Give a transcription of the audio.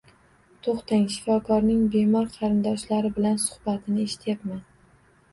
To`xtang, shifokorning bemor qarindoshlari bilan suhbatini eshityapman